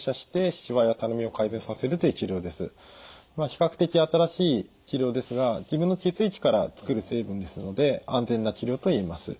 比較的新しい治療ですが自分の血液から作る成分ですので安全な治療と言えます。